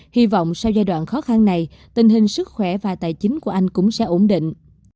hy vọng sau giai đoạn khó khăn này tình hình sức khỏe và tài chính của anh cũng sẽ ổn định